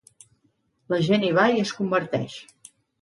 La gent hi va i es converteix.